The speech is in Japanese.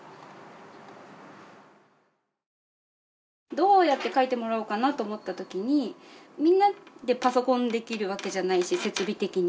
どうやって書いてもらおうかなと思ったときにみんなでパソコンできるわけじゃないし設備的に。